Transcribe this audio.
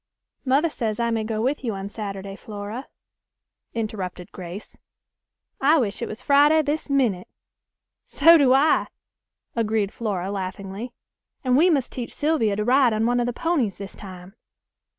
"Mother says I may go with you on Saturday, Flora," interrupted Grace; "I wish it was Friday this minute." "So do I," agreed Flora laughingly; "and we must teach Sylvia to ride on one of the ponies this time."